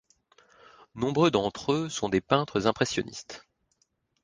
Nombreux d'entre-eux sont des peintres impressionnistes.